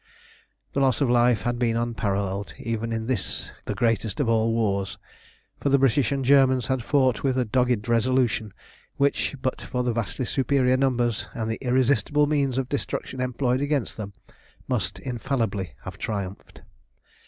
The loss of life had been unparalleled even in this the greatest of all wars, for the British and Germans had fought with a dogged resolution which, but for the vastly superior numbers and the irresistible means of destruction employed against them, must infallibly have triumphed.